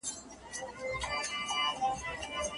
که ته په تخته لیکل کوې نو له تباشیر څخه ګټه واخله.